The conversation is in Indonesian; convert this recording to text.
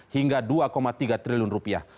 hingga dua tiga triliun rupiah